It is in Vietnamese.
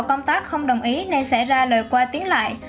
công tác không đồng ý nên sẽ ra lời qua tiếng lại